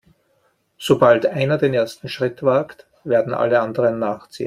Sobald einer den ersten Schritt wagt, werden alle anderen nachziehen.